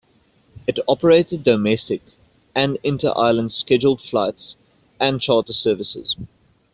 It operated domestic and inter-island scheduled flights and charter services.